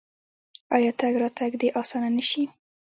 آیا تګ راتګ دې اسانه نشي؟